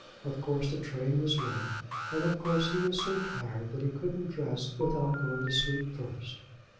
Of course the train was late, and of course he was so tired that he couldn't dress without going to sleep first."